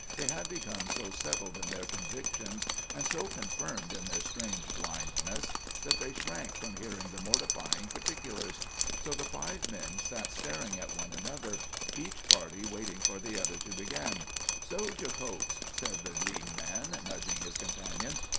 They had become so settled in their convictions, and so confirmed in their strange blindness, that they shrank from hearing the mortifying particulars. So the five men sat staring at one another, each party waiting for the other to begin. "Sojer coats," said the lean man, nudging his companion.